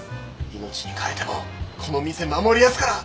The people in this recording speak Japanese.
命に代えてもこの店守りやすから！